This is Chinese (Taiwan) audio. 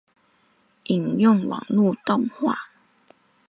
引用網路動畫